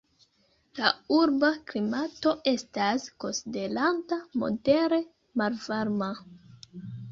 La urba klimato estas konsiderata modere malvarma.